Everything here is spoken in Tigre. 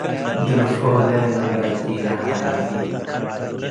ድርፎሌ ነብረ እዲነ ሐላፊት